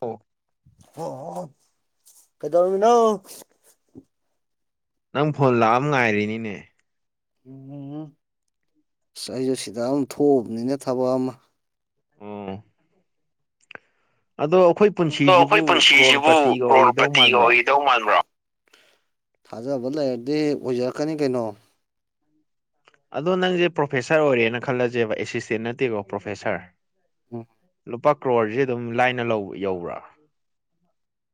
ꯑꯣ ꯑꯣ ꯀꯩꯗꯔꯃꯤꯅ ꯅꯪ ꯐꯣꯟ ꯂꯥꯛꯑꯝ ꯉꯥꯏꯔꯤꯅꯤꯅꯦ ꯎꯝ ꯑꯁ ꯑꯩꯁꯨ ꯁꯤꯗ ꯑꯃ ꯊꯣꯛꯑꯕꯅꯤꯅ ꯊꯕꯛ ꯑꯃ ꯎꯝ ꯑꯗꯣ ꯄꯨꯟꯁꯤꯁꯤꯕꯨ ꯑꯩꯈꯣꯏ ꯄꯨꯟꯁꯤꯁꯤꯕꯨ ꯀ꯭ꯔꯣꯔꯄꯇꯤꯒ ꯑꯣꯏꯒꯗꯧ ꯔ꯭ꯔꯣꯔꯄꯇꯤ ꯃꯥꯟꯕ꯭ꯔꯣ ꯑꯣꯏꯒꯗꯧ ꯃꯥꯟꯕ꯭ꯔꯣ ꯊꯥꯖꯕ ꯂꯩꯔꯗꯤ ꯑꯣꯏꯖꯔꯛꯀꯅꯤ ꯀꯩꯅꯣ ꯑꯗꯣ ꯅꯪꯁꯦ ꯄ꯭ꯔꯣꯐꯦꯁꯔ ꯑꯣꯏꯔꯦꯅ ꯈꯜꯂꯁꯦꯕ ꯑꯦꯁꯤꯁꯇꯦꯟ ꯅꯠꯇꯦꯀꯣ ꯄ꯭ꯔꯣꯐꯦꯁꯔ ꯎꯝ ꯂꯨꯄꯥ ꯀ꯭ꯔꯣꯔꯁꯤꯦ ꯑꯗꯨꯝ ꯂꯥꯏꯅ ꯌꯧꯕ꯭ꯔꯥ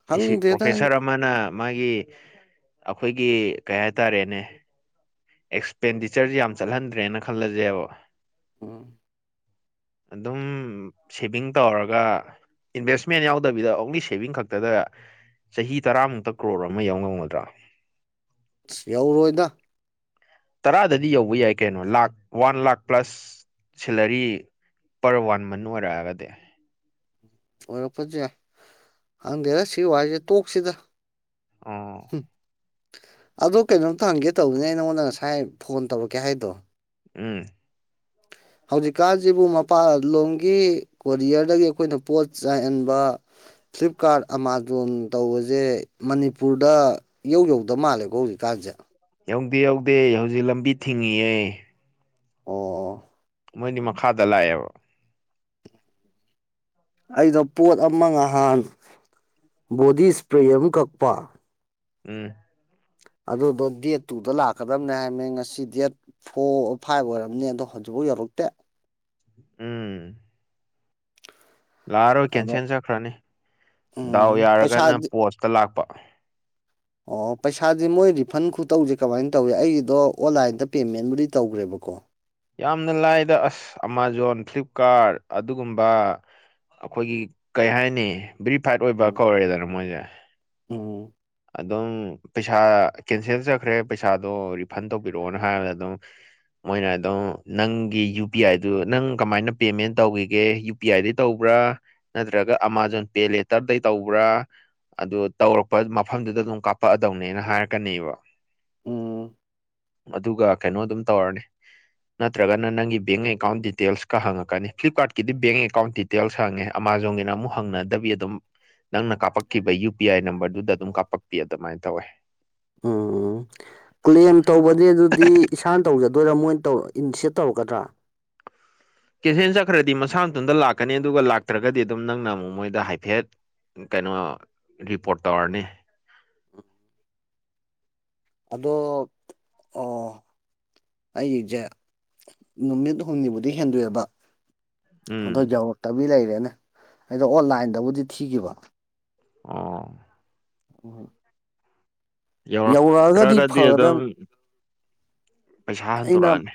ꯈꯪꯗꯦꯗ ꯑꯩ ꯄ꯭ꯔꯣꯐꯦꯁꯔ ꯑꯃꯅ ꯃꯥꯒꯤ ꯑꯩꯈꯣꯏꯒꯤ ꯀꯩ ꯍꯥꯏꯇꯥꯔꯦꯅꯦ ꯑꯦꯛꯁꯄꯦꯟꯗꯤꯆꯔꯁ ꯌꯥꯝ ꯆꯠꯍꯟꯗ꯭ꯔꯦꯅ ꯈꯜꯂꯁꯦꯕ ꯎꯝ ꯑꯗꯨꯝ ꯁꯦꯚꯤꯡ ꯇꯧꯔꯒ ꯏꯟꯚꯦꯁꯃꯦꯟ ꯌꯥꯎꯗꯕꯤꯗ ꯑꯣꯡꯂꯤ ꯁꯦꯚꯤꯡ ꯈꯛꯇꯗ ꯆꯍꯤ ꯇꯔꯥꯃꯨꯛꯇ ꯀ꯭ꯔꯣꯔ ꯑꯃ ꯌꯥꯎꯉꯝꯒꯗ꯭ꯔꯥ ꯑ ꯌꯧꯔꯣꯏꯗ ꯇꯔꯥꯗꯗꯤ ꯌꯧꯕ ꯌꯥꯏ ꯀꯩꯅꯣ ꯂꯥꯛ one lakh plus salary per one ꯃꯟ ꯑꯣꯏꯔꯛꯑꯒꯗꯤ ꯑꯣꯏꯔꯛ ꯐꯁꯦ ꯍꯪꯗꯦꯔ ꯁꯤ ꯋꯥꯁꯦ ꯇꯣꯛꯁꯤꯗ ꯑꯣ ꯍ ꯑꯗꯣ ꯀꯩꯅꯣꯝꯇ ꯍꯪꯒꯦ ꯇꯧꯕꯅꯦ ꯑꯩ ꯅꯉꯣꯟꯗ ꯉꯁꯥꯏ ꯐꯣꯟ ꯇꯧꯔꯛꯀꯦ ꯍꯥꯏꯗꯣ ꯎꯝ [unintelligible] ꯍꯧꯖꯤꯛꯀꯥꯟꯁꯤꯕꯨ ꯃꯄꯥꯟ ꯂꯣꯝꯒꯤ ꯀꯣꯔꯤꯌꯔꯗꯒꯤ ꯑꯩꯈꯣꯏꯅ ꯄꯣꯠ ꯆꯥꯏꯍꯟꯕ ꯐ꯭ꯂꯤꯞꯀꯥꯔꯠ ꯑꯃꯥꯥꯖꯣꯟ ꯇꯧꯕꯁꯦ ꯃꯅꯤꯄꯨꯔꯗ ꯌꯧ ꯌꯧꯗ ꯃꯥꯜꯂꯦꯀꯣ ꯍꯧꯖꯤꯛꯀꯥꯟꯁꯦ ꯌꯧꯗꯦ ꯌꯧꯗꯦ ꯍꯧꯖꯤꯛ ꯂꯝꯕꯤ ꯊꯤꯡꯉꯌꯦ ꯑꯣ ꯑꯣ ꯃꯣꯏꯗꯤ ꯃꯈꯥꯗ ꯂꯥꯛꯑꯦꯕ ꯑꯩꯅ ꯄꯣꯠ ꯑꯃ ꯉꯍꯥꯟ ꯕꯣꯗꯤ ꯏꯁꯄ꯭ꯔꯦ ꯑꯃ ꯀꯛꯄ ꯎꯝ ꯑꯗꯨꯗꯣ ꯗꯦꯠ ꯇꯨꯗ ꯂꯥꯛꯀꯗꯕꯅꯦ ꯍꯥꯏꯕꯃꯦ ꯉꯁꯤ ꯗꯦꯠ ꯐꯣꯔ ꯐꯥꯏꯚ ꯑꯣꯏꯔꯝꯅꯦ ꯑꯗꯣꯛ ꯑꯗꯨꯖꯤꯐꯥꯎ ꯌꯧꯔꯛꯇꯦ ꯎꯝ ꯂꯥꯛꯑꯔꯣꯏ ꯑꯗꯣ ꯀꯦꯟꯁꯦꯟ ꯆꯠꯈ꯭ꯔꯅꯤ ꯗꯥꯎ ꯎꯝ ꯌꯥꯔꯒꯅ ꯄꯩꯁꯥꯗꯤ ꯄꯣꯁꯇ ꯂꯥꯛꯄ ꯑꯣ ꯄꯩꯁꯥꯗꯤ ꯃꯣꯏ ꯔꯤꯐꯟ ꯈꯨꯇꯧꯁꯦ ꯀꯃꯥꯏꯅ ꯇꯧꯏ ꯑꯩꯒꯤꯗꯣ ꯑꯣꯟꯂꯥꯏꯟꯗ ꯄꯦꯃꯦꯟꯕꯨꯗꯤ ꯇꯧꯈ꯭ꯔꯦꯕꯣ ꯀꯣ ꯌꯥꯝꯅ ꯂꯥꯏꯗ ꯑꯁ ꯑꯃꯥꯥꯖꯣꯟ ꯐ꯭ꯂꯤꯞꯀꯥꯔꯠ ꯑꯗꯨꯒꯨꯝꯕ ꯑꯩꯈꯣꯏꯒꯤ ꯀꯩ ꯍꯥꯏꯅꯤ ꯕꯔꯤꯐꯥꯏꯠ ꯑꯣꯏꯕ ꯎꯝ ꯀꯧꯔꯦꯗꯅ ꯃꯣꯏꯁꯦ ꯎꯝ ꯑꯗꯨꯝ ꯄꯩꯁꯥ ꯀꯦꯟꯁꯦꯜ ꯆꯠꯈ꯭ꯔꯦ ꯄꯩꯁꯥꯗꯣ ꯔꯤꯐꯟ ꯇꯧꯕꯤꯔꯛꯑꯣꯅ ꯍꯥꯏꯕꯗ ꯑꯗꯨꯝ ꯃꯣꯏꯅ ꯑꯗꯨꯝ ꯅꯪꯒꯤ ꯌꯨ ꯄꯤ ꯑꯥꯏꯗꯨ ꯅꯪ ꯀꯃꯥꯏꯅ ꯄꯦꯃꯦꯟ ꯇꯧꯈꯤꯒꯦ ꯌꯨ ꯄꯤ ꯑꯥꯏꯗꯤ ꯇꯧꯕ꯭ꯔꯥ ꯥ ꯇ ꯃꯐꯝꯗꯨꯗ ꯑꯗꯨꯝ ꯀꯥꯞꯄꯛꯑꯗꯧꯅꯦꯅ ꯍꯥꯏꯔꯛꯀꯅꯦꯕ ꯎꯝ ꯑꯗꯨꯒ ꯀꯩꯅꯣ ꯑꯗꯨꯝ ꯇꯧꯔꯅꯤ ꯅꯠꯇ꯭ꯔꯒꯅ ꯅꯪꯒꯤ ꯕꯦꯡ ꯑꯦꯀꯥꯎꯟ ꯗꯤꯇꯦꯜꯁꯀ ꯍꯪꯉꯛꯀꯅꯤ ꯐ꯭ꯂꯤꯞꯀꯥꯔꯠꯀꯤꯗꯤ ꯕꯦꯡ ꯑꯦꯀꯥꯎꯟ ꯗꯤꯇꯦꯜꯁ ꯍꯉꯦ ꯑꯃ ꯖꯣꯒꯤꯅ ꯑꯃꯨꯛ ꯍꯪꯅꯗꯕꯤ ꯑꯗꯨꯝ ꯅꯪꯅ ꯀꯥꯞꯄꯛꯈꯤꯕ ꯌꯨ ꯄꯤ ꯑꯥꯏ ꯅꯝꯕꯔꯗꯨꯗ ꯑꯗꯨꯝ ꯀꯥꯞꯄꯛꯄꯤ ꯑꯗꯨꯃꯥꯏꯅ ꯇꯧꯋꯦ ꯎꯝ ꯀ꯭ꯂꯦꯝ ꯇꯧꯕꯗꯤ ꯑꯗꯨꯗꯤ ꯏꯁꯥꯅ ꯇꯧꯖꯗ ꯑꯗꯨ ꯑꯣꯏꯔꯥ ꯃꯣꯏꯅ ꯇꯧꯔ ꯏꯟꯅꯤꯁꯦꯠ ꯇꯧꯔꯛꯀꯗ꯭ꯔꯥ ꯀꯦꯟꯁꯦꯟ ꯆꯠꯈ꯭ꯔꯗꯤ ꯃꯁꯥ ꯃꯇꯇ ꯂꯥꯛꯀꯅꯤ ꯑꯗꯨꯒ ꯂꯥꯛꯇ꯭ꯔꯒꯗꯤ ꯑꯗꯨꯝ ꯅꯪꯅ ꯑꯃꯨꯛ ꯃꯣꯏꯗ ꯍꯥꯏꯐꯦꯠ ꯀꯩꯅꯣ ꯔꯤꯄꯣꯔꯠ ꯇꯧꯔꯅꯤ ꯑꯗꯣ ꯑꯩꯁꯦ ꯅꯨꯃꯤꯠ ꯍꯨꯝꯅꯤꯕꯨꯗꯤ ꯍꯦꯟꯗꯣꯛꯑꯦꯕ ꯎꯝ ꯑꯗꯣ ꯌꯧꯔꯛꯇꯕꯤ ꯂꯩꯔꯦꯅꯦ ꯑꯩꯗꯣ ꯑꯣꯟꯂꯥꯏꯟꯗꯕꯨꯗꯤ ꯊꯤꯈꯤꯕ ꯑꯥ ꯎꯣꯏ ꯌꯧꯔꯛꯑꯒꯗꯤ ꯌꯧꯔꯛꯇ꯭ꯔꯒꯗꯤ ꯐꯒꯗꯕ ꯑꯗꯨꯝ ꯄꯩꯁꯥ ꯑꯩꯅ ꯍꯟꯗꯣꯔꯛꯑꯅꯤ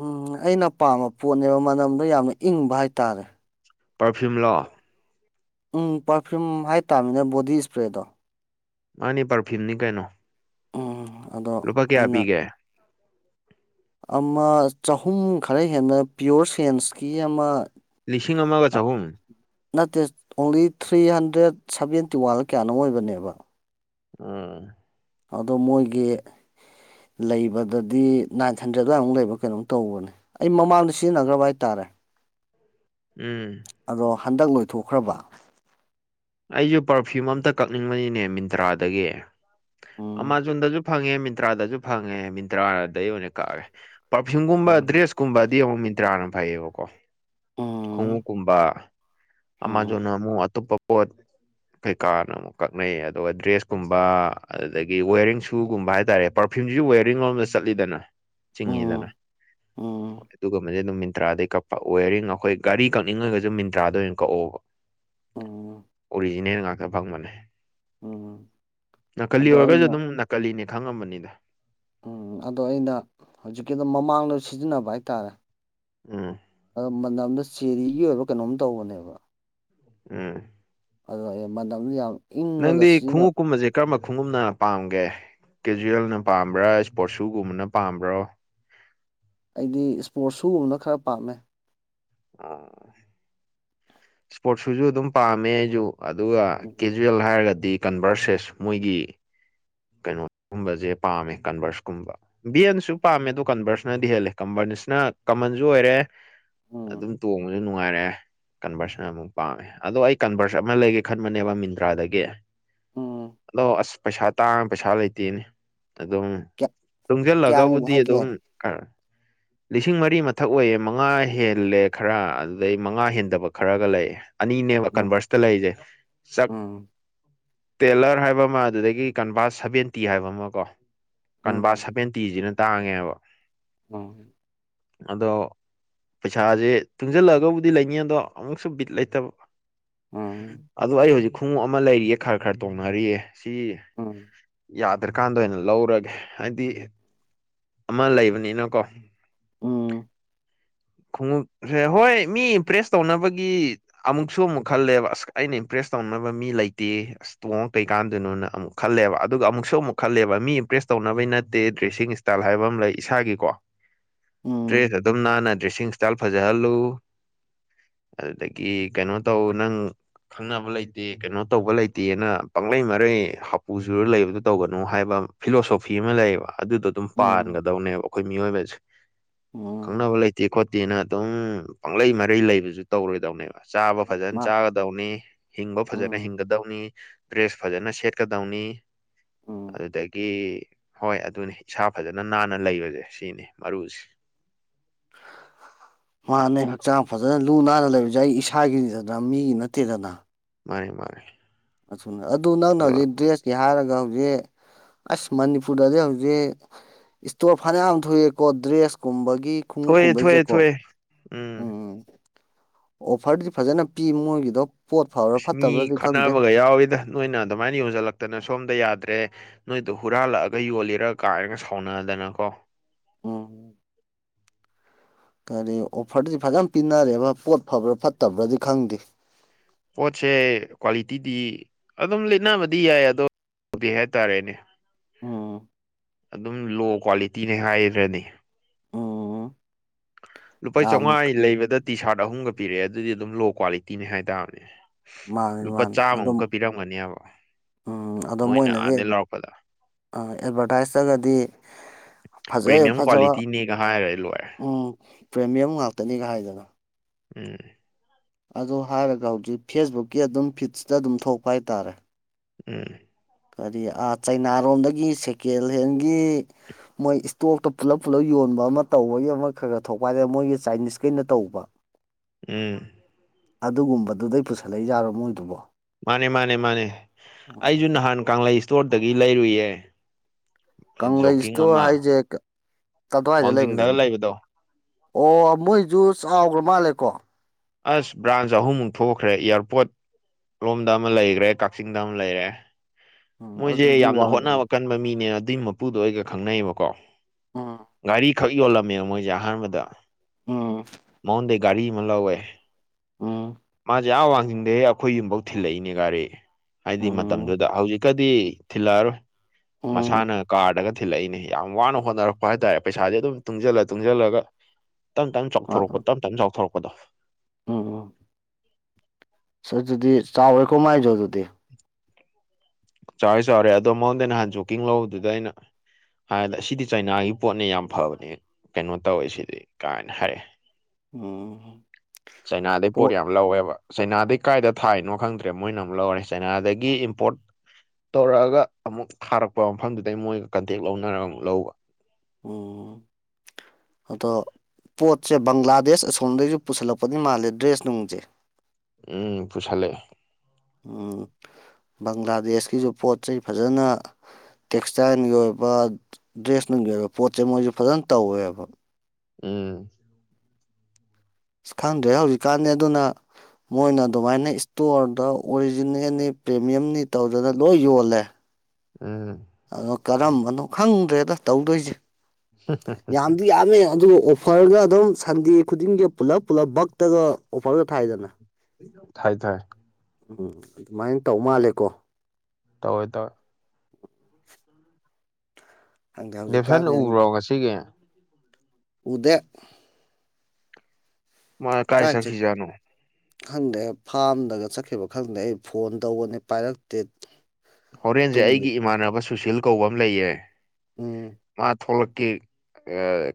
ꯎꯝ ꯑꯩꯅ ꯄꯥꯝꯕ ꯄꯣꯠꯅꯦꯕ ꯃꯅꯝꯗ ꯌꯥꯝꯅ ꯏꯪꯕ ꯍꯥꯏꯇꯥꯔꯦ ꯄꯔꯐ꯭ꯌꯨꯝ ꯂꯣꯑꯣ ꯎꯝ ꯄꯥꯔꯐ꯭ꯌꯨꯝ ꯍꯥꯏꯇꯥꯥꯔꯃꯤꯅ ꯕꯣꯗꯤ ꯏꯁꯄ꯭ꯔꯦꯗꯣ ꯃꯥꯅꯤ ꯄꯔꯐ꯭ꯌꯨꯝꯅꯤ ꯀꯩꯅꯣ ꯑꯣ ꯂꯨꯄꯥ ꯀꯌꯥ ꯄꯤꯒꯦ ꯑꯃ ꯆꯍꯨꯝ ꯈꯔ ꯍꯦꯟꯅ ꯄꯤꯌꯣꯔ ꯁꯦꯟꯁꯀꯤ ꯑꯃ ꯂꯤꯁꯤꯡ ꯑꯃꯒ ꯆꯍꯨꯝ ꯅꯠꯇꯦ ꯑꯣꯡꯂꯤ ꯊ꯭ꯔꯤ ꯍꯟꯗ꯭ꯔꯦꯠ ꯁꯚꯦꯟꯇꯤ ꯋꯥꯟ ꯀꯌꯥꯅꯣ ꯑꯣꯏꯕꯅꯦꯕ ꯑꯝ ꯑꯗꯣ ꯃꯣꯏꯒꯤ ꯂꯩꯕꯗꯗꯤ ꯅꯥꯏꯟ ꯍꯟꯗ꯭ꯔꯦꯗ ꯂꯃꯨꯛ ꯂꯩꯕ ꯀꯩꯅꯣꯝ ꯇꯧꯕꯅꯦ ꯑꯩ ꯃꯃꯥꯡꯗ ꯁꯤꯖꯤꯟꯅꯈ꯭ꯔꯕ ꯍꯥꯏꯇꯥꯔꯦ ꯍ ꯎꯝ ꯍꯟꯗꯛ ꯂꯣꯏꯊꯣꯛꯈ꯭ꯔꯕ ꯑꯩꯁꯨ ꯄꯥꯔꯐ꯭ꯌꯨꯝ ꯑꯝꯇ ꯀꯛꯅꯤꯡꯕꯅꯤꯅꯦ ꯃꯤꯟꯇ꯭ꯔꯥꯗꯒꯤ ꯎꯝ ꯑꯃꯥꯥꯖꯣꯟꯗꯁꯨ ꯐꯪꯉꯦ ꯃꯤꯟꯇ꯭ꯔꯥꯗꯁꯨ ꯐꯪꯉꯦ ꯃꯤꯟꯇ꯭ꯔꯥꯗ ꯑꯣꯏꯅ ꯀꯛꯑꯦ ꯄꯔꯐꯤꯌꯨꯝꯒꯨꯝꯕ ꯎꯝ ꯗ꯭ꯔꯦꯁ ꯀꯨꯝꯕ ꯃꯤ ꯃꯤꯇꯩꯗ꯭ꯔꯥꯅ ꯐꯥꯏ ꯑꯣ ꯀꯣ ꯎꯝ ꯈꯣꯡꯎꯀꯨꯝꯕ ꯑꯃꯥꯖꯣꯟ ꯑꯃꯨ ꯑꯇꯣꯞꯄ ꯄꯣꯠ ꯀꯩꯀꯥꯅ ꯑꯃꯨꯛ ꯀꯛꯅꯩꯌꯦ ꯑꯗꯨꯒ ꯗ꯭ꯔꯦꯁ ꯀꯨꯝꯕ ꯑꯗꯨꯗꯒꯤ ꯋꯦꯔꯤꯡ ꯁꯨꯒꯨꯝꯕ ꯍꯥꯏꯇꯥꯔꯦ ꯄꯔꯐ ꯋꯦꯔꯤꯡ ꯂꯣꯝꯗ ꯆꯠꯂꯤꯗꯅ ꯆꯤꯡꯉꯗꯅ ꯎꯝ ꯍ ꯎꯝ ꯑꯗꯨꯒ ꯑꯗꯨꯝ ꯃꯤꯟꯇ꯭ꯔꯥꯗꯩ ꯀꯛꯄ ꯋꯦꯔꯤꯡ ꯑꯩꯈꯣꯏ ꯒꯥꯔꯤ ꯀꯛꯅꯤꯡꯉꯒꯁꯨ ꯃꯤꯟꯇ꯭ꯔꯥꯗ ꯑꯣꯏꯅ ꯀꯛꯑꯣꯕ ꯎ ꯅꯦ ꯉꯥꯛꯇ ꯐꯪꯕꯅꯦ ꯅꯥꯀ ꯑꯗꯣ ꯑꯣꯏꯔꯒꯁꯨ ꯑꯩꯅ ꯑꯗꯨꯝ ꯅꯥꯀꯅꯦ ꯈꯪꯉꯝꯕꯅꯤꯗ ꯎꯝ ꯑꯗꯣ ꯑꯩꯅ ꯍꯧꯖꯤꯛꯀꯤ ꯑꯗꯨꯝ ꯃꯃꯥꯡꯗꯣ ꯁꯤꯖꯤꯟꯅꯕ ꯍꯥꯏꯇꯥꯔꯦ ꯎꯝ ꯑꯗ ꯃꯅꯝꯗ ꯆꯦꯔꯤꯒꯤ ꯑꯣꯏꯕ ꯀꯩꯅꯣꯝ ꯇꯧꯕꯅꯦꯕ ꯎꯝ ꯑꯗꯣ ꯑꯩ ꯃꯗꯨ ꯌꯥꯝ ꯏꯪꯉꯒ ꯅꯪꯗꯤ ꯁꯤꯖꯤꯟꯅ ꯈꯉ ꯀꯨꯝꯃꯁꯦ ꯀꯃ ꯈꯣꯡꯒꯨꯝꯅ ꯄꯥꯝꯒꯦ ꯀꯦꯖꯨꯋꯦꯜꯅ ꯄꯥꯝꯕ꯭ꯔꯥ ꯏꯁꯄꯣꯔꯠ ꯁꯨꯒꯨꯝꯕꯅ ꯄꯥꯝꯕ꯭ꯔꯥ ꯑꯩꯗꯤ ꯏꯁꯄꯣꯔꯠ ꯁꯨꯒꯨꯝꯕꯅ ꯈꯔ ꯄꯥꯝꯃꯦ ꯑ ꯏꯁꯄꯣꯔꯠ ꯁꯨꯁꯨ ꯑꯗꯨꯝ ꯄꯥꯝꯃꯦ ꯑꯩꯁꯨ ꯑꯗꯨꯒ ꯎꯝ ꯀꯦꯖꯨꯋꯦꯜ ꯍꯥꯏꯔꯒꯗꯤ ꯀꯟꯚꯔꯁꯦꯁ ꯃꯣꯏꯒꯤ ꯀꯩꯅꯣꯒꯨꯝꯕꯁꯦ ꯄꯥꯝꯃꯦ ꯀꯟꯚꯔꯁꯀꯨꯝꯕ ꯕꯤ ꯑꯦꯟꯁꯨ ꯄꯥꯝꯃꯦ ꯑꯗꯣ ꯀꯟꯚꯔꯁꯅꯗꯤ ꯍꯦꯜꯂꯦ ꯀꯟꯚꯔ ꯅ ꯀꯃꯟꯁꯨ ꯑꯣꯏꯔꯦ ꯎꯝ ꯑꯗꯨꯝ ꯇꯣꯡꯕꯁꯨ ꯅꯨꯡꯉꯥꯏꯔꯑꯦ ꯀꯟꯚꯔꯁꯟ ꯑꯃꯨꯛ ꯄꯥꯝꯃꯦ ꯑꯗꯣ ꯑꯩ ꯀꯟꯚꯔꯁꯟ ꯑꯃ ꯂꯩꯒꯦ ꯈꯟꯕꯅꯦꯕ ꯃꯤꯟꯇ꯭ꯔꯥꯗꯒꯤ ꯎꯝ ꯑꯗꯣ ꯑꯁ ꯄꯠ ꯇꯥꯡ ꯄꯩꯁꯥ ꯂꯩꯇꯦꯅꯤ ꯑꯗꯨꯝ ꯀꯌꯥ ꯀꯌꯥꯃꯨꯛ ꯇꯨꯡꯁꯤꯜꯂꯒꯕꯨꯗꯤ ꯍꯥꯏꯒꯦ ꯑꯗꯨꯝ [inaudible] ꯂꯤꯁꯤꯡ ꯃꯔꯤ ꯃꯊꯛ ꯑꯣꯏꯌꯦꯦ ꯃꯉꯥ ꯍꯦꯜꯂꯦ ꯈꯔ ꯑꯗꯨꯗꯩ ꯃꯉꯥ ꯍꯦꯟꯗꯕ ꯈꯔꯒ ꯂꯩꯌꯦ ꯑꯅꯤꯅꯦꯕ ꯎꯝ ꯀꯟꯚꯔꯁꯇ ꯂꯩꯔꯤꯁꯦ ꯆꯥꯛ ꯎꯝ ꯇꯦꯂꯔ ꯍꯥꯏꯕ ꯑꯃ ꯑꯗꯨꯗꯒꯤ ꯀꯟꯕꯥ ꯁꯚꯦꯟꯇꯤ ꯍꯥꯏꯕ ꯑꯃ ꯀꯣ ꯀꯟꯕꯥ ꯁꯚꯦꯟꯇꯤꯁꯤꯅ ꯇꯥꯡꯉꯦꯕ ꯎ ꯑꯗꯣ ꯄꯩꯁꯥꯁꯦ ꯇꯨꯡꯁꯤꯜꯂꯛꯒꯕꯨꯗꯤ ꯂꯩꯅꯤ ꯑꯗꯣ ꯑꯃꯨꯛꯁꯨ ꯕꯤꯠ ꯂꯩꯇꯕ ꯎꯝ ꯑ ꯑꯩ ꯍꯧꯖꯤꯛ ꯈꯣꯡꯎꯞ ꯑꯃ ꯂꯩꯔꯤꯌꯦ ꯈꯔ ꯈꯔ ꯇꯣꯡꯅꯔꯤꯑ ꯁꯤ ꯎꯝ ꯌꯥꯗ꯭ꯔꯀꯥꯟꯗ ꯑꯣꯏꯅ ꯂꯧꯔꯒꯦ ꯍꯥꯏꯗꯤ ꯑꯃ ꯂꯩꯕꯅꯤꯅꯀꯣ ꯑꯣ ꯈꯣꯡꯎꯞꯁꯦ ꯍꯣꯏ ꯃꯤ ꯏꯝꯄ꯭ꯔꯦꯁ ꯇꯧꯅꯕꯒꯤ ꯑꯃꯨꯛꯁꯨ ꯑꯃꯨꯛ ꯈꯜꯂꯦꯕ ꯑꯁ ꯑꯩꯅ ꯏꯝꯄ꯭ꯔꯦꯁ ꯇꯧ ꯐꯪꯅꯕ ꯃꯤ ꯂꯩꯇꯦ ꯑꯁ ꯇꯣꯡꯉꯛꯇꯩ ꯀꯥꯟꯗꯣꯏꯅꯣꯅ ꯑꯃꯨꯛ ꯈꯜꯂꯦꯕ ꯑꯗꯨꯒ ꯑꯃꯨꯛꯁꯨ ꯑꯃꯨꯛ ꯈꯜꯂꯦꯕ ꯃꯤ ꯏꯝꯄ꯭ꯔꯦꯁ ꯇꯧꯅꯕꯩ ꯅꯠꯇꯦ ꯗ꯭ꯔꯦꯁꯤꯡ ꯏꯁꯇꯥꯏꯜ ꯍꯥꯏꯕ ꯑꯃ ꯂꯩ ꯏꯁꯥꯒꯤꯀꯣ ꯎꯝ ꯗ꯭ꯔꯦꯁ ꯑꯗꯨꯝ ꯅꯥꯟꯅ ꯗ꯭ꯔꯦꯁꯤꯡ ꯏꯁꯇꯥꯏꯜ ꯐꯖꯍꯜꯂꯨ ꯑꯗꯨꯗꯒꯤ ꯀꯩꯅꯣ ꯇꯧ ꯅꯪ ꯈꯪꯅꯕ ꯂꯩꯇꯦ ꯀꯩꯅꯣ ꯇꯧꯕ ꯂꯩꯇꯦꯅ ꯄꯪꯂꯩ ꯃꯔꯩ ꯄꯨꯖꯨꯔ ꯂꯩꯕꯗꯣ ꯇꯧꯒꯅꯨ ꯍꯥꯏꯕ ꯐꯤꯂꯣꯁꯣꯐꯤ ꯑꯃ ꯂꯩꯌꯦꯕ ꯑꯗꯨꯗꯣ ꯑꯗꯨꯝ ꯎꯝ ꯄꯥꯟꯒꯗꯧꯅꯦꯕ ꯑꯩꯈꯣꯏ ꯃꯤꯑꯣꯏꯕꯗ [inaudible] ꯎꯝ ꯈꯪꯅꯕ ꯂꯩꯇꯦ ꯈꯣꯠꯇꯦꯅ ꯑꯗꯨꯝ ꯄꯪꯂꯩ ꯃꯔꯩ ꯂꯩꯕꯁꯨ ꯇꯧꯔꯣꯏꯗꯧꯅꯦꯕ ꯆꯥꯕ ꯐꯖꯅ ꯃꯥ ꯆꯥꯒꯗꯧꯅꯤ ꯍꯤꯡꯕ ꯐꯖꯅ ꯎꯝ ꯍꯤꯡꯒꯗꯧꯅꯤ ꯗ꯭ꯔꯦꯁ ꯐꯖꯅ ꯁꯦꯠꯀ ꯗꯎꯅꯤ ꯎꯝ ꯑꯗꯨꯗꯒꯤ ꯍꯣꯏ ꯑꯗꯨꯅꯤ ꯏꯁꯥ ꯐꯖꯅ ꯅꯥꯟꯅ ꯂꯩꯕꯁꯦ ꯁꯤꯅꯤ ꯃꯔꯨꯁꯦ [inaudible] ꯃꯥꯅꯦ ꯍꯛꯆꯥꯡ ꯐꯖꯅ ꯂꯨ ꯅꯥꯟꯅ ꯂꯩꯕꯁꯦ ꯑꯩ ꯏꯁꯥꯒꯤꯗꯅ ꯃꯤꯒꯤ ꯅꯠꯇꯦꯗꯅ ꯃꯥꯅꯦ ꯃꯥꯅꯦ ꯑꯅ ꯑꯗꯨ ꯅꯪꯅ ꯑꯗꯣ ꯍꯧꯖꯤꯛ ꯗ꯭ꯔꯦꯁꯀꯤ ꯍꯥꯏꯔꯒ ꯍꯧꯖꯤꯛ ꯑꯁ ꯃꯅꯤꯄꯨꯔꯗꯗꯤ ꯍꯧꯖꯤꯛ ꯏꯁꯇꯣꯔ ꯐꯅꯌꯥꯝ ꯊꯣꯛꯑꯦꯀꯣ ꯗ꯭ꯔꯦꯁ ꯀꯨꯝꯕꯒꯤ ꯒꯤ ꯈꯣꯡꯎ ꯊꯣꯛꯑꯦ ꯊꯣꯛꯑꯦ ꯀꯨꯝꯕꯩꯁꯦꯀꯣ ꯊꯣꯛꯑꯦ ꯎꯝ ꯑꯣꯐꯔꯗꯤ ꯐꯖꯅ ꯄꯤ ꯃꯣꯏꯒꯤꯗꯣ ꯄꯣꯠ ꯐꯕ꯭ꯔꯥ ꯑꯁ ꯃꯤ ꯐꯠꯇꯕ꯭ꯔꯗꯤ ꯈꯪꯗꯦ ꯈꯠꯅꯕꯒ ꯌꯥꯎꯋꯤꯗ ꯅꯣꯏꯅ ꯑꯗꯨꯃꯥꯏꯅ ꯌꯣꯟꯁꯤꯜꯂꯛꯇꯅ ꯁꯣꯝꯗ ꯌꯥꯗ꯭ꯔꯦ ꯅꯣꯏꯗꯣ ꯍꯨꯔꯥꯜꯂꯛꯑꯒ ꯌꯣꯜꯂꯤꯔ ꯀꯥꯏꯔꯒ ꯁꯥꯎꯅꯗꯅꯀꯣ ꯎꯝ ꯀꯔꯤ ꯑꯣꯐꯔꯗꯨꯗꯤ ꯐꯖꯅ ꯄꯤꯅꯔꯦꯕ ꯄꯣꯠ ꯐꯕ꯭ꯔꯥ ꯐꯠꯇꯕ꯭ꯔꯥꯗꯤ ꯈꯪꯗꯦ ꯄꯣꯠꯁꯦ ꯀ꯭ꯋꯥꯂꯤꯇꯤꯗꯤ ꯑꯗꯨꯝ ꯂꯤꯠꯅꯕꯗꯤ ꯌꯥꯏ ꯑꯗꯣ ꯃꯗꯤ ꯍꯥꯏ ꯇꯥꯔꯦꯅꯦ ꯎꯝ ꯑꯗꯨꯝ ꯂꯣ ꯀ꯭ꯋꯥꯂꯤꯇꯤꯅꯦ ꯍꯥꯏꯔꯅꯤ ꯎꯝ ꯂꯨꯄꯥ ꯌꯥꯝ ꯆꯥꯝꯃꯉꯥ ꯂꯩꯕꯗ ꯇꯤ ꯁꯥꯔꯠ ꯑꯍꯨꯝꯒ ꯄꯤꯔꯛꯑꯦ ꯑꯗꯨꯗꯤ ꯑꯗꯨꯝ ꯂꯣ ꯀ꯭ꯋꯥꯂꯤꯇꯤꯅꯦ ꯍꯥꯏ ꯇꯥꯕꯅꯦ ꯃꯥꯅꯦ ꯂꯨꯄꯥ ꯃꯥꯅꯦ ꯑꯗꯨꯝ ꯆꯥꯝꯃꯃꯨꯛꯀ ꯄꯤꯔꯝꯒꯅꯦꯕ ꯎꯝ ꯑꯗꯣ ꯃꯣꯏꯅ ꯃꯣꯏꯅꯗꯤ ꯑꯥꯗꯩ ꯂꯧꯔꯛꯄꯗ ꯑꯦꯠꯚꯔꯇꯥꯏꯖꯇꯒꯗꯤ ꯄꯔꯤꯃꯤꯌꯝ ꯀ꯭ꯋꯥꯂꯤꯇꯤ ꯅꯒꯍꯥ ꯍꯥꯏ ꯎꯝ ꯄ꯭ꯔꯦꯃꯤꯌꯝ ꯉꯥꯛꯇꯅꯤꯒ ꯍꯥꯏꯗꯅ ꯎꯝ ꯑꯗꯨ ꯍꯥꯏꯔꯒ ꯍꯧꯖꯤꯛ ꯐꯦꯁꯕꯨꯛꯀꯤ ꯑꯗꯨꯝ ꯐꯤꯠꯁꯇ ꯑꯗꯨꯝ ꯊꯣꯛꯄ ꯍꯥꯏꯇꯥꯔꯦ ꯎꯝ ꯀꯔꯤ ꯆꯩꯅꯥꯔꯣꯝꯗꯒꯤ ꯁꯦꯀꯦꯟ ꯍꯦꯟꯒꯤ ꯃꯣꯏ ꯏꯁꯇꯣꯛꯇꯣ ꯄꯨꯂꯞ ꯄꯨꯂꯞ ꯌꯣꯜꯂꯤ ꯇꯟꯕ ꯑꯃ ꯇꯧꯕꯒꯤ ꯑꯃ ꯈꯔ ꯈꯔ ꯊꯣꯛꯄ ꯍꯥꯏꯗꯅ ꯃꯣꯏꯒꯤ ꯆꯥꯏꯅꯤꯁꯈꯩꯅ ꯇꯧꯕ ꯎꯝ ꯑꯗꯨꯒꯨꯝꯕꯗꯨꯗꯩ ꯄꯨꯁꯜꯂꯛꯏ ꯌꯥꯔꯣ ꯃꯣꯏꯗꯨꯕꯣ ꯃꯥꯅꯦ ꯃꯥꯅꯦ ꯃꯥꯅꯦ ꯑꯩꯁꯨ ꯅꯍꯥꯟ ꯀꯪꯂꯩ ꯏꯁꯇꯣꯔꯗꯒꯤ ꯂꯩꯔꯨꯏꯌꯦ ꯀꯪꯂꯩ ꯖꯣꯀꯤꯡ ꯏꯁꯇꯣꯔ ꯑꯃ ꯍꯥꯏꯁꯦ ꯀꯋꯥꯏꯗ ꯋꯥꯡꯖꯤꯡꯗꯒ ꯂꯩꯕꯗꯨꯅ ꯂꯩꯕꯗꯣ ꯑꯣ ꯃꯣꯏꯁꯨ ꯆꯥꯎꯈ꯭ꯔ ꯃꯥꯜꯂꯦꯀꯣ ꯑꯁ ꯕ꯭ꯔꯥꯟꯁ ꯑꯍꯨꯝꯃꯨꯛ ꯊꯣꯛꯈ꯭ꯔꯦ ꯏꯌꯥꯔꯄꯣꯠ ꯂꯣꯝꯗ ꯑꯃ ꯂꯩꯈ꯭ꯔꯦ ꯀꯛꯆꯤꯡꯗ ꯑꯃ ꯂꯩꯔꯦ ꯎꯝ ꯃꯣꯏꯁꯦ ꯑꯗꯨꯗꯤ ꯌꯥꯝꯅ ꯋꯥꯡꯖꯟ ꯍꯣꯠꯅꯕ ꯀꯟꯕ ꯃꯤꯅꯦ ꯑꯗꯨꯒꯤ ꯃꯄꯨꯗꯣ ꯑꯩꯒ ꯈꯪꯅꯩꯌꯦꯕꯀꯣ ꯑꯥ ꯒꯥꯔꯤ ꯈꯛ ꯌꯣꯜꯂꯝꯃꯦꯕ ꯃꯣꯏꯁꯦ ꯑꯍꯥꯟꯕꯗ ꯎꯝ ꯃꯉꯣꯟꯗꯩ ꯒꯥꯔꯤ ꯑꯃ ꯂꯧꯋꯦ ꯎꯝ ꯃꯥꯁꯦ ꯑꯍ ꯋꯥꯡꯖꯤꯡꯗꯦ ꯑꯩꯈꯣꯏ ꯌꯨꯝꯐꯧ ꯊꯤꯜꯂꯛꯏꯅꯦ ꯒꯥꯔꯤ ꯍꯥꯏꯗꯤ ꯎꯝ ꯃꯇꯝꯗꯨꯗ ꯍꯧꯖꯤꯛꯀꯗꯤ ꯊꯤꯜꯂꯛꯑꯔꯣꯏ ꯎꯝ ꯃꯁꯥꯅ ꯀꯥꯔꯗꯒ ꯊꯤꯜꯂꯛꯏꯅꯦ ꯌꯥꯝ ꯋꯥꯅ ꯍꯣꯠꯅꯔꯛꯄ ꯍꯥꯏꯇꯥꯔꯦ ꯄꯩꯁꯥꯗꯤ ꯑꯗꯨꯝ ꯇꯨꯡꯁꯤꯜꯂ ꯇꯨꯡꯁꯤꯜꯂꯒ ꯇꯪ ꯇꯪ ꯆꯥꯎꯊꯣꯔꯛꯄ ꯇꯞ ꯇꯞ ꯆꯥꯎꯊꯣꯔꯛꯄꯗꯣ ꯎꯝ ꯎꯝ ꯑꯗꯨꯗꯤ ꯆꯥꯎꯋꯦꯀꯣ ꯃꯥꯏꯁꯨ ꯑꯗꯨꯗꯤ ꯆꯥꯎꯔꯦ ꯆꯥꯎꯔꯦ ꯑꯗꯣ ꯃꯉꯣꯟꯗ ꯅꯍꯥꯟ ꯖꯣꯛꯀꯤꯡ ꯂꯧꯕꯗꯨꯗ ꯑꯩꯅ ꯍꯥꯏꯗꯤ ꯑꯁꯤꯗꯤ ꯆꯩꯅꯥꯒꯤ ꯄꯣꯠꯅꯦ ꯌꯥꯝ ꯐꯕꯅꯦ ꯀꯩꯅꯣ ꯇꯧꯋꯦ ꯁꯤꯗꯤ ꯀꯥꯏꯅ ꯍꯥꯏꯔꯛꯑꯦ ꯎꯝ ꯆꯩꯅꯥꯗꯩ ꯄꯣꯠ ꯌꯥꯝ ꯂꯧꯋꯦꯕ ꯆꯩꯥꯅꯥꯗꯩ ꯀꯥꯏꯏꯗ ꯊꯥꯏꯅꯣ ꯈꯪꯗ꯭ꯔꯦ ꯃꯣꯏꯅ ꯑꯃꯨꯛ ꯂꯧꯔꯦ ꯆꯥꯏꯅꯥꯗꯒꯤ ꯏꯝꯄꯣꯔꯠ ꯇꯧꯔꯛꯑꯒ ꯑꯃꯨꯛ ꯊꯥꯔꯛꯄ ꯃꯐꯝꯗꯨꯗꯩ ꯃꯣꯏꯒ ꯀꯟꯇꯦꯛ ꯂꯧꯅꯔꯒ ꯑꯃꯨꯛ ꯂꯧꯕ ꯎꯝ ꯑꯗꯣ ꯄꯣꯠꯁꯦ ꯕꯪꯒ꯭ꯂꯥꯗꯦꯁ ꯑꯁꯣꯝꯗꯒꯤꯩꯁꯨ ꯄꯨꯁꯜꯂꯛꯄꯗꯤ ꯃꯥꯜꯂꯦ ꯗ꯭ꯔꯦꯁ ꯅꯨꯡꯁꯦ ꯎꯝ ꯄꯁꯂꯦ ꯎꯝ ꯕꯪꯒ꯭ꯂꯥꯗꯦꯁꯀꯤꯁꯨ ꯄꯣꯠ ꯆꯩ ꯐꯖꯅ ꯇꯦꯛꯁꯇꯥꯏꯜꯒꯤ ꯑꯣꯏꯕ ꯗ꯭ꯔꯦꯁꯅꯨꯡꯒꯤ ꯑꯣꯏꯕ ꯄꯣꯠꯁꯦ ꯃꯣꯏꯁꯨ ꯐꯖꯅ ꯇꯧꯋꯦꯕ ꯎꯝ ꯈꯪꯗ꯭ꯔꯦ ꯍꯧꯖꯤꯛꯀꯥꯟꯅꯤ ꯑꯗꯨꯅ ꯃꯣꯏꯅ ꯑꯗꯨꯃꯥꯏꯅ ꯏꯁꯇꯣꯔꯗ ꯑꯣꯔꯤꯖꯤꯅꯦꯜꯅꯤ ꯄ꯭ꯔꯦꯃꯤꯌꯝꯅꯤ ꯇꯧꯗꯅ ꯂꯣꯏ ꯌꯣꯜꯂꯦ ꯑꯝ ꯑꯗꯣ ꯀꯔꯝꯕꯅꯣ ꯈꯪꯗ꯭ꯔꯦꯗ ꯇꯧꯗꯣꯏꯁꯦ ꯌꯥꯝꯗꯤ ꯌꯥꯝꯃꯦ ꯑꯗꯨꯕꯨ ꯑꯣꯐꯔꯒ ꯑꯗꯨꯝ ꯁꯟꯗꯦ ꯈꯨꯗꯤꯡꯒꯤ ꯄꯨꯜꯂꯞ ꯄꯨꯜꯂꯞ ꯕꯛꯇꯒ ꯑꯣꯐꯔꯒ ꯊꯥꯏꯗꯅ ꯊꯥꯏ ꯊꯥꯏ ꯎꯝ ꯑꯗꯨꯃꯥꯏꯅ ꯇꯧ ꯃꯥꯜꯂꯦꯀꯣ ꯇꯧꯋꯏꯗ ꯈꯪꯗꯦ ꯗꯦꯐꯟ ꯍꯧꯖꯤꯛꯀꯥꯟꯗꯤ ꯎꯕ꯭ꯔꯣ ꯉꯁꯤꯒꯤ ꯎꯗꯦꯛ ꯃꯥ ꯀꯥꯏ ꯆ ꯆꯠ ꯈꯈꯤꯖꯅ ꯈꯪꯗꯦ ꯐꯥꯔꯝꯗꯒ ꯆꯠꯈꯤꯕ ꯈꯪꯗꯦ ꯑꯩ ꯐꯣꯟ ꯇꯧꯕꯅꯤ ꯄꯥꯏꯔꯛꯇꯦ ꯍꯣꯔꯦꯟꯁꯦ ꯇꯨꯝꯃꯤ ꯑꯩꯒꯤ ꯏꯃꯥꯟꯅꯕ ꯁꯨꯁꯤꯜ ꯀꯧꯕ ꯑꯃ ꯂꯩꯌꯦ ꯎꯝ ꯊꯜꯀꯤꯦ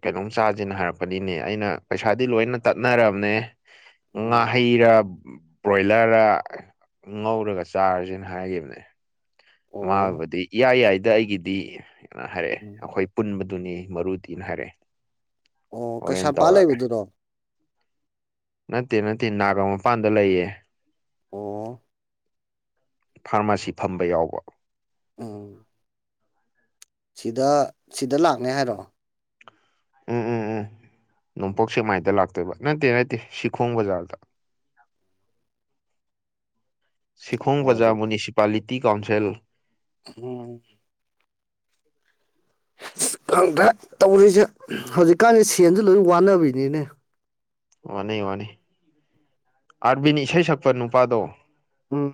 ꯀꯩꯅꯣꯝ ꯆꯥꯁꯦꯅ ꯍꯥꯏꯔꯛꯄꯅꯤꯅꯦ ꯑꯩꯅ ꯄꯩꯁꯥꯗꯤ ꯂꯣꯏꯅ ꯇꯠꯅꯔꯕꯅꯦ ꯎꯝ ꯉꯍꯤꯔ ꯕ꯭ꯔꯣꯏꯂꯔꯗ ꯉꯧꯔꯒ ꯆꯥꯔꯁꯅ ꯍꯥꯏꯈꯤꯕꯅꯦ ꯑꯣ ꯃꯥꯕꯗꯤ ꯏꯌꯥꯏ ꯌꯥꯏꯗ ꯑꯩꯒꯤꯗꯤ ꯀꯩꯅꯣ ꯍꯥꯏꯔꯛꯑꯦ ꯎꯝ ꯑꯩꯈꯣꯏ ꯄꯨꯟꯕ ꯑꯗꯨꯅꯤ ꯃꯔꯨ ꯇꯅ ꯍꯥꯏꯔꯦ ꯑꯣ ꯀꯩꯁꯥꯝꯄꯥꯜ ꯂꯩꯕꯗꯨꯅꯣ ꯅꯠꯇꯦ ꯅꯠꯇꯦ ꯅꯥꯒ ꯃꯄꯥꯟꯗ ꯂꯩꯌꯦ ꯑꯣ ꯐꯥꯔꯃꯥꯁꯤ ꯐꯝꯕ ꯌꯥꯎꯕ ꯎꯝ ꯁꯤꯗ ꯁꯤꯗ ꯂꯥꯛꯅꯦ ꯍꯥꯏꯔꯣ ꯎꯝ ꯎꯝ ꯎꯝ ꯅꯣꯡꯄꯣꯛ ꯁꯦꯃꯥꯏꯗ ꯂꯥꯛꯇꯣꯏꯕ ꯅꯠꯇꯦ ꯅꯠꯇꯦ ꯁꯤꯈꯣꯡ ꯕꯖꯥꯔꯗ [inaudible] ꯁꯤꯈꯣꯡ ꯑꯣ ꯕꯖꯥꯔ ꯃ꯭ꯌꯨꯅꯤꯁꯤꯄꯥꯂꯤꯇꯤ ꯀꯥꯎꯟꯁꯤꯜ ꯎꯝ ꯈꯪꯗ꯭ꯔꯦ ꯇꯧꯔꯤꯁꯦ ꯍꯧꯖꯤꯛꯀꯥꯟꯗꯤ ꯁꯦꯟꯁꯨ ꯂꯣꯏ ꯋꯥꯅꯕꯩꯅꯤꯅꯦ ꯋꯥꯅꯤ ꯋꯥꯅꯤ ꯑꯥꯔꯕꯤꯟ ꯏꯁꯩ ꯁꯛꯄ ꯅꯨꯄꯥꯗꯣ ꯑꯥ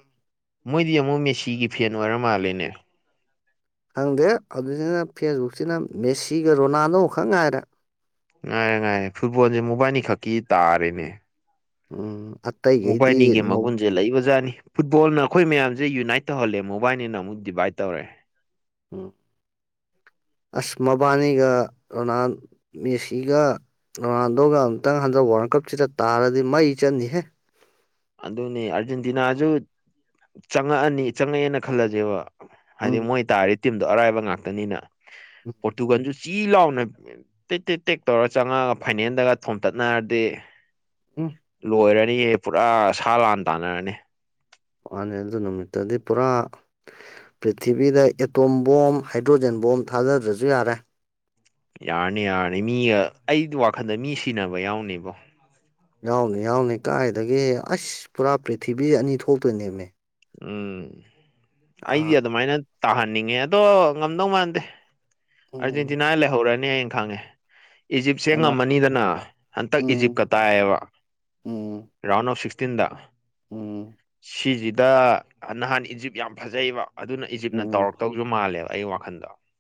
ꯃꯣꯏꯗꯤ ꯑꯃꯨꯛ ꯃꯦꯁꯤꯒꯤ ꯐꯦꯟ ꯑꯣꯏꯔ ꯃꯥꯜꯂꯦꯅꯦ ꯈꯪꯗꯦ ꯑꯗꯨꯁꯤꯅ ꯐꯦꯁꯕꯨꯛꯁꯤꯅ ꯃꯦꯁꯤꯒ ꯔꯣꯅꯥꯜꯗꯣ ꯈꯪ ꯉꯥꯏꯔꯦ ꯉꯥꯏ ꯉꯥꯏ ꯐꯨꯠꯕꯣꯜꯁꯦ ꯃꯣꯕꯥꯏꯅꯤ ꯈꯛꯀꯤ ꯇꯥꯔꯦꯅꯦ ꯎꯝ ꯑꯇꯩꯈꯩꯗꯤ ꯎꯄꯥꯥꯏꯅꯤꯒꯤ ꯅꯣ ꯃꯒꯨꯟꯁꯦ ꯂꯩꯕꯖꯥꯠꯅꯤ ꯐꯨꯠꯕꯣꯜꯅ ꯑꯩꯈꯣꯏ ꯃꯌꯥꯝꯁꯦ ꯌꯨꯅꯥꯏꯠ ꯇꯧꯍꯜꯂꯦ ꯃꯣꯕꯥꯏꯅꯤꯅ ꯑꯃꯨꯛ ꯗꯤꯚꯥꯏꯠ ꯇꯧꯔꯦ ꯎꯝ ꯑꯁ ꯃꯕꯥꯅꯤꯒ ꯔꯣꯅꯥꯜ ꯃꯦꯁꯤꯒ ꯔꯣꯅꯥꯜꯗꯣꯒ ꯑꯃꯨꯛꯇꯪ ꯍꯟꯊꯕ ꯋꯥꯔ ꯇꯥꯡꯀꯛꯁꯤꯤꯗ ꯇꯥꯔꯗꯤ ꯃꯩ ꯆꯟꯅꯤꯍꯦ ꯑꯗꯨꯅꯦ ꯑꯥꯔꯖꯦꯟꯇꯤꯅꯥꯁꯨ ꯆꯪꯉꯛꯑꯅꯤ ꯆꯪꯉꯛꯑꯦꯅ ꯈꯜꯂꯁꯦꯕ ꯍꯥꯏꯗꯤ ꯎꯝ ꯃꯣꯏ ꯇꯥꯔꯤ ꯇꯤꯝꯗꯣ ꯑꯔꯥꯏꯕ ꯉꯥꯛꯇꯅꯤꯅ ꯎꯝ ꯄꯣꯔꯇꯨꯒꯥꯟꯁꯨ ꯆꯤ ꯂꯥꯎꯅ ꯇꯦꯛ ꯇꯦꯛ ꯇꯦꯛ ꯇꯧꯔ ꯆꯪꯉꯛꯒ ꯐꯥꯏꯅꯜꯗꯒ ꯊꯣꯝꯇꯠꯅꯔꯗꯤ ꯎꯝ ꯂꯣꯏꯔꯅꯤꯌꯦ ꯄꯨꯔꯥ ꯁꯥ ꯂꯥꯟ ꯇꯥꯟꯅꯔꯅꯤ ꯅꯤ ꯑꯗꯨ ꯅꯨꯃꯤꯠꯇꯗꯤ ꯄꯨꯔꯥ ꯄ꯭ꯔꯤꯊꯤꯕꯤꯗ ꯑꯦꯇꯣꯝꯕꯕꯣꯝ ꯍꯥꯏꯗ꯭ꯔꯣꯖꯦꯟ ꯕꯣꯝ ꯊꯥꯗꯗ꯭ꯔꯁꯨ ꯌꯥꯔꯦ ꯌꯥꯔꯅꯤ ꯌꯥꯔꯅꯤ ꯃꯤꯒ ꯑꯩꯗꯤ ꯋꯥꯈꯟꯗ ꯃꯤ ꯁꯤꯟꯅꯅꯕ ꯌꯥꯎꯅꯦꯕꯣ ꯌꯥꯎꯅꯤ ꯌꯥꯎꯅꯤ ꯀꯥꯏꯒꯦ ꯑꯁ ꯄꯨꯔꯥ ꯄ꯭ꯔꯤꯊꯤꯕꯤ ꯑꯅꯤ ꯊꯣꯛꯇꯣꯏꯅꯦꯕꯅꯦ ꯎꯝ ꯑꯩꯗꯤ ꯑꯗꯨꯃꯥꯏꯅ ꯇꯥꯍꯟꯅꯤꯡꯉꯦ ꯑꯗꯣ ꯉꯝꯗꯧ ꯃꯥꯟꯗꯦ ꯎꯝ ꯑꯔꯖꯦꯟꯇꯤꯅꯥ ꯂꯩꯍꯧꯔꯅꯤ ꯑꯌꯦꯡ ꯈꯪꯉꯦ ꯏꯖꯤꯞꯁꯦ ꯑꯃ ꯉꯝꯃꯅꯤꯗꯅ ꯍꯟꯇꯛ ꯎꯝ ꯏꯖꯤꯞꯀ ꯇꯥꯏꯌꯦꯕ ꯎꯝ ꯔꯥꯎꯟ ꯑꯣꯐ ꯁꯤꯛꯁ ꯐꯤꯐꯇꯤꯟꯗ ꯎꯝ ꯁꯤꯁꯤꯗ ꯅꯍꯥꯟ ꯏꯖꯤꯞ ꯌꯥꯝ ꯐꯖꯩꯕ ꯑꯗꯨꯅ ꯏꯖꯤꯞꯅ ꯎꯝ ꯇꯧꯔꯛꯇꯧꯁꯨ ꯃꯥꯜꯂꯦꯕ ꯑꯩꯒꯤ ꯋꯥꯈꯟꯗꯣ